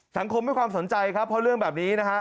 สังคมให้ความสนใจครับเพราะเรื่องแบบนี้นะฮะ